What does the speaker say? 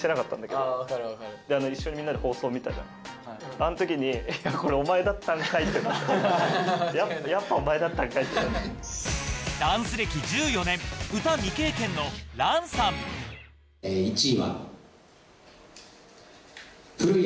あの時に「これお前だったんかい」って。ダンス歴１４年歌未経験のはい。